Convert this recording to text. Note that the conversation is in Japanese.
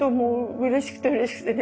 うれしくてうれしくてね